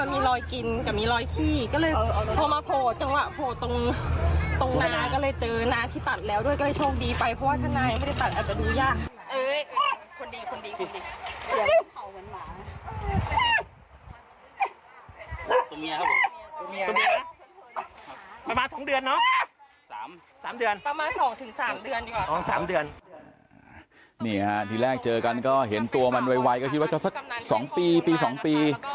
เนี่ยครับที่แรกมันเจอกันก็เห็นตัวมันไวก็คิดว่าจะสัก๒ปี